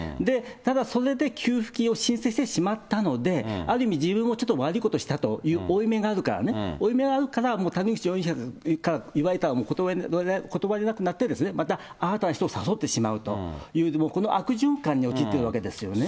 ただ、それで給付金を申請してしまったので、ある意味、自分もちょっと悪いことをしたという負い目があるからね、負い目があるから、谷口容疑者から言われたらもう断れなくなって、また新たな人を誘ってしまうという、この悪循環に陥ってるわけですよね。